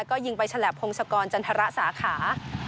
ก็ยิงไปฉลับพงศกรจันทรสาขา